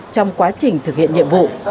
trong quá trình thực hiện nhiệm vụ